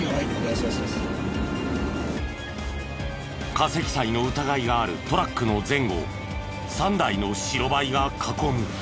過積載の疑いがあるトラックの前後を３台の白バイが囲む。